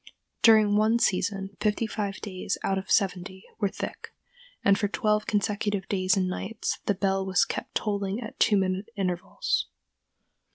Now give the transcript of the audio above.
During one season fifty five days out of seventy were thick, and for twelve consecutive days and nights the bell was kept tolling at two minute intervals.